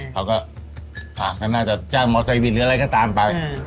เขาก็ทำลายจากมอเซไวท์หรืออะไรก็ตามไป